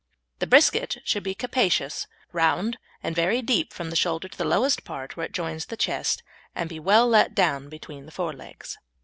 The brisket should be capacious, round, and very deep from the shoulder to the lowest part, where it joins the chest, and be well let down between the fore legs.